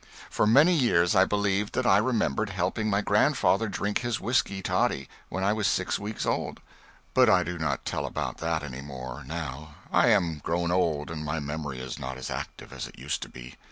For many years I believed that I remembered helping my grandfather drink his whiskey toddy when I was six weeks old, but I do not tell about that any more, now; I am grown old, and my memory is not as active as it used to be.